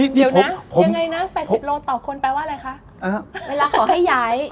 ยังไงนะ๘๐โลต่อคนแปลว่าอะไรคะ